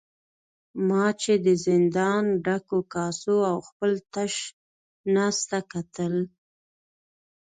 ما چې د زندان ډکو کاسو او خپل تش نس ته کتل.